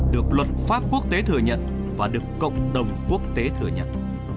được luật pháp quốc tế thừa nhận và được cộng đồng quốc tế thừa nhận